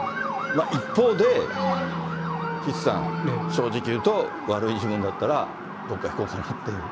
一方で、岸さん、正直いうと、悪い人だったらどこか行こうかなっていう。